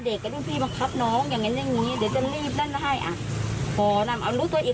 หนูไปซื้อจริงไหมลูก